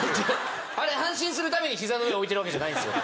あれ安心するためにひざの上に置いてるわけじゃないんですよ。